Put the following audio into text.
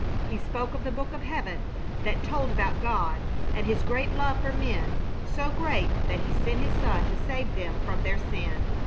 He spoke of the Book of Heaven that told about God and His great love for men, so great that He sent His son to save them from their sin.